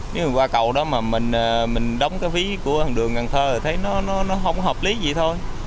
nếu mình qua cầu đó mà mình đóng cái ví của đường cần thơ thì thấy nó không hợp lý gì thôi